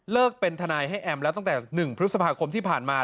เป็นทนายให้แอมแล้วตั้งแต่๑พฤษภาคมที่ผ่านมา